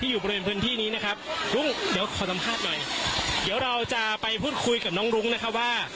อยู่บริเวณพื้นที่นี้นะครับรุ้งเดี๋ยวขอสัมภาษณ์หน่อยเดี๋ยวเราจะไปพูดคุยกับน้องรุ้งนะครับว่า